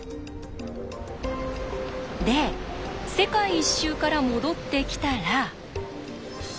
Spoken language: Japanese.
で世界一周から戻ってきたら。